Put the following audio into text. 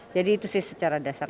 jadi itu sih secara dasar